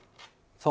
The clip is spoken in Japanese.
そう。